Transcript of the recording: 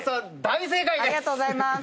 大正解です！